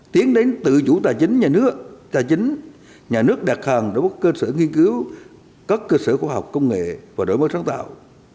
tiến đến tự chủ tài chính nhà nước đặt hàng đối với cơ sở nghiên cứu các cơ sở khoa học công nghệ và đổi máy sáng tạo